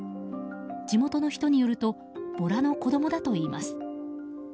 地元の人によるとボラの子供だといいます。